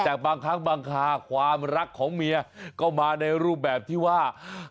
แต่บางครั้งบางคาความรักของเมียก็มาในรูปแบบที่ว่า